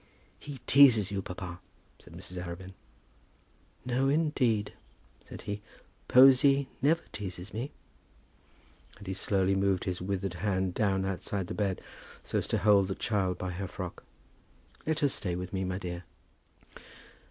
"She teases you, papa," said Mrs. Arabin. "No, indeed," said he. "Posy never teases me;" and he slowly moved his withered hand down outside the bed, so as to hold the child by her frock. "Let her stay with me, my dear."